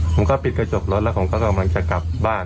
ผมก็ปิดกระจกรถแล้วผมก็กำลังจะกลับบ้าน